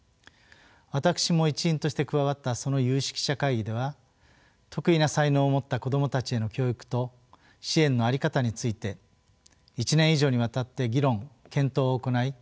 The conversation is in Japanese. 私も一員として加わったその有識者会議では特異な才能を持った子どもたちへの教育と支援の在り方について１年以上にわたって議論・検討を行い